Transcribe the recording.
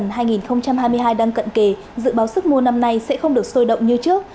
năm hai nghìn hai mươi hai đang cận kề dự báo sức mua năm nay sẽ không được sôi động như trước